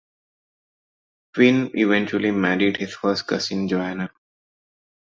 Tywin eventually married his first cousin Joanna.